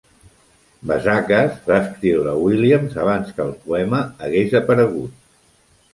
Vazakas va escriure a Williams abans que el poema hagués aparegut.